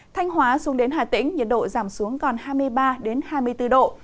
thanh hóa xuống đến hà tĩnh nhiệt độ giảm xuống còn hai mươi ba hai mươi bốn độ